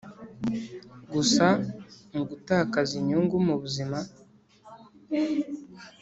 gusa mugutakaza inyungu mubuzima